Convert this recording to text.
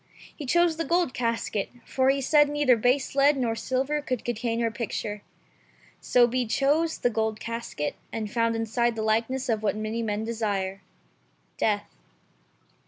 He chose the gold casket, for he said neither base lead nor silver could contain her picture. So he chose the gold casket, and found inside the likeness of what many men desire — death.